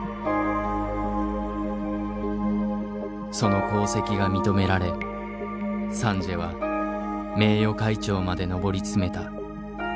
その功績が認められサンジエは名誉会長まで上り詰めた。